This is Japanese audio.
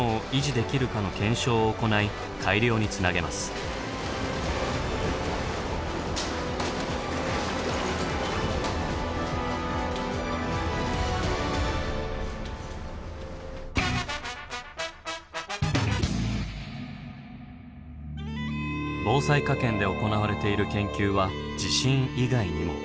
例えばこれは防災科研で行われている研究は地震以外にも。